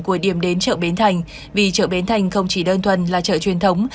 của điểm đến chợ bến thành vì chợ bến thành không chỉ đơn thuần là chợ truyền thống